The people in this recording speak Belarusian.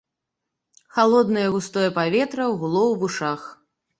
Халоднае густое паветра гуло ў вушах.